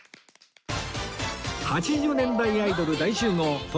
８０年代アイドル大集合東海道